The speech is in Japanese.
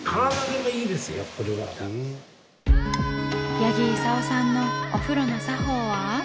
八木功さんのお風呂の作法は。